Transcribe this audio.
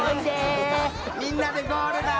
みんなでゴールだー！